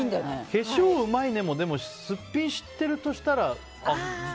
化粧うまいねもすっぴんを知っているとしたら。